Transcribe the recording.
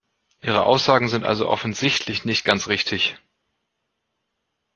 Ihre Aussagen sind also offensichtlich nicht ganz richtig.